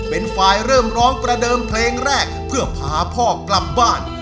เป็นฝ่ายเริ่มร้องประเดิมเพลงแรกเพื่อพาพ่อกลับบ้าน